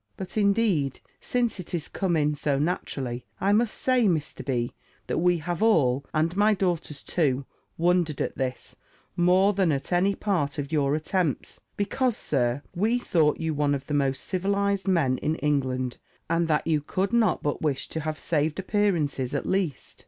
but, indeed, since it is come in so naturally, I must say, Mr. B., that we have all, and my daughters too, wondered at this, more than at any part of your attempts; because, Sir, we thought you one of the most civilized men in England, and that you could not but wish to have saved appearances at least."